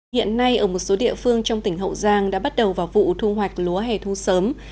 hiện nay ở một số địa phương trong tỉnh hậu giang đã bắt đầu vào vụ thu hoạch lúa hẻ thu sớm